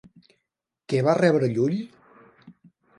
Què va rebre Llull?